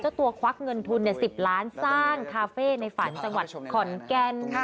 เจ้าตัวควักเงินทุน๑๐ล้านสร้างคาเฟ่ในฝันจังหวัดขอนแกน